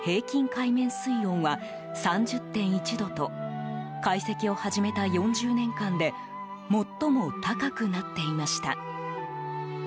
海面水温は３０．１度と解析を始めた４０年間で最も高くなっていました。